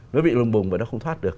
nó bị lùng bùng và nó không thoát được